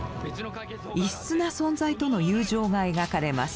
異質な存在との友情が描かれます。